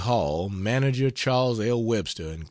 Hall (manager Chas. L. Webster & Co.)